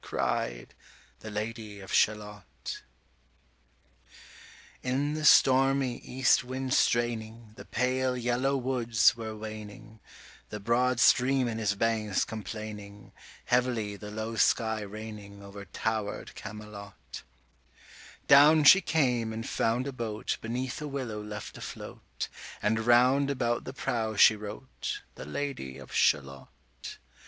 cried The Lady of Shalott. PART IVIn the stormy east wind straining, The pale yellow woods were waning, The broad stream in his banks complaining, 120 Heavily the low sky raining Over tower'd Camelot; Down she came and found a boat Beneath a willow left afloat, And round about the prow she wrote 125 The Lady of Shalott.